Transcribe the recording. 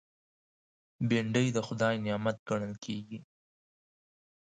بېنډۍ د خدای نعمت ګڼل کېږي